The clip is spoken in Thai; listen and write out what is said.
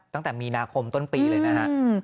ตั้งแต่มีนาคมต้นปีเลยนะฮะ